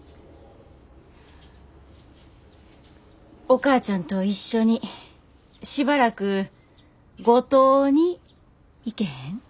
お母ちゃんと一緒にしばらく五島に行けへん？